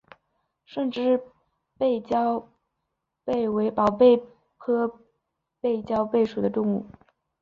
胜枝背焦贝为宝贝科背焦贝属的动物。